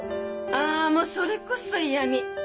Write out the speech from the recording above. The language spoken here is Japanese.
ああもうそれこそ嫌み！